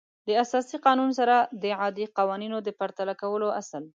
د اساسي قانون سره د عادي قوانینو د پرتله کولو اصل